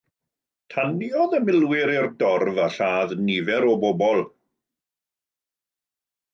Taniodd y milwyr i'r dorf a lladd nifer o bobl.